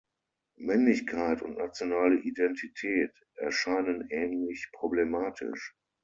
Männlichkeit und nationale Identität erscheinen ähnlich problematisch.